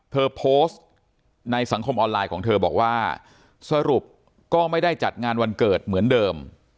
เธอโพสต์ในสังคมออนไลน์ของเธอบอกว่าสรุปก็ไม่ได้จัดงานวันเกิดเหมือนเดิม